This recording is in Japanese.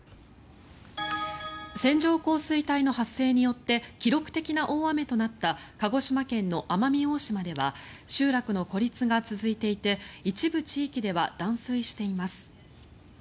線状降水帯の発生によって記録的な大雨となった鹿児島県の奄美大島では集落の孤立が続いていて一部地域では断水しています。